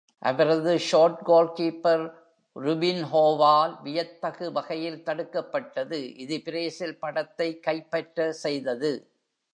அவரது short goalkeeper Rubinho வால் வியத்தகு வகையில் தடுக்கப்பட்டது, இது பிரேசில் படத்தை கைப்பற்ற செய்தது.